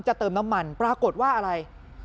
เติมน้ำมันปรากฏว่าอะไร